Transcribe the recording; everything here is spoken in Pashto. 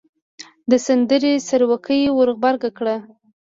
د سندرې سروکی ور غبرګ کړ.